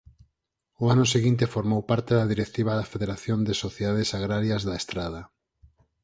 O ano seguinte formou parte da directiva da Federación de Sociedades Agrarias da Estrada.